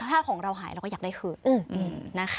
ถ้าของเราหายเราก็อยากได้คืนนะคะ